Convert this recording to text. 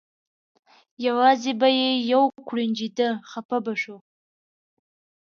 یوازې به یې یو کوړنجېده خپه به شو.